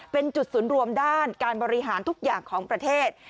เป็นจุดศูนย์รวมด้านการบริหารทุกอย่างของประเทศ